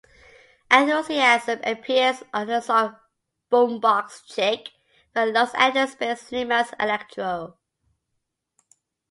Enthusiasm appears on the song "Boom Box Chic" by Los Angeles-based LeMans Electro.